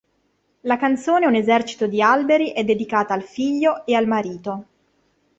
La canzone "Un esercito di alberi" è dedicata al figlio e al marito.